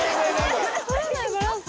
取れないバランスが。